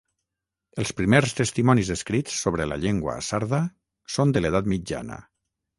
Els primers testimonis escrits sobre la llengua sarda són de l'edat mitjana.